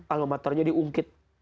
alma maternya diungkit